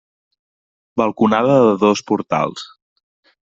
Balconada de dos portals.